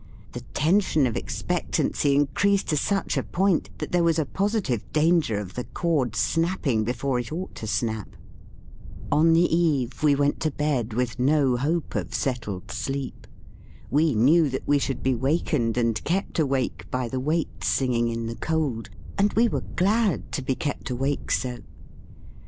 The tension of expect ancy increased to such a point that there was a positive danger of the cord snapping before it ought to snap. On THE FEAST OF ST FRIEND the Eve we went to bed with no hope of settled sleep. We laiew that we should be wakened and kept awake by the waits singing in the cold; and we were glad to be kept awake so.